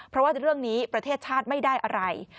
เพราะว่าเรื่องนี้ประเทศชาติไม่ได้อะไร